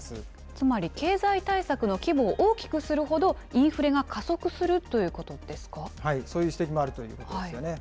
つまり経済対策の規模を大きくするほどインフレが加速するとそういう指摘もあるということですよね。